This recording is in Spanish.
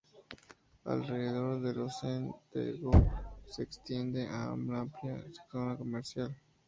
Alrededor del Onsen de Dogo se extiende una amplia zona comercial.